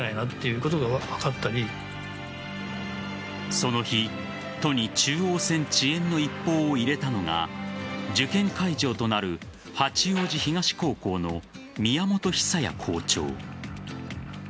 その日、都に中央線遅延の一報を入れたのが受験会場となる八王子東高校の宮本久也校長。